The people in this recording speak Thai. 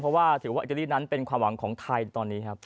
เพราะว่าถือว่าอิตาลีนั้นเป็นความหวังของไทยตอนนี้ครับ